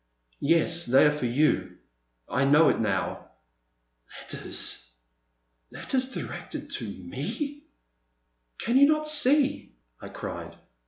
Yes, they are for you, — I know it now "Letters !— letters directed tomef '* Can you not see ?" I cried.